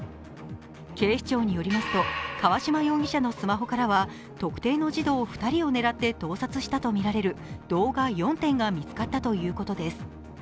警視庁によりますと河嶌容疑者のスマホからは特定の児童２人を狙って盗撮したとみられる動画４点が見つかったということです。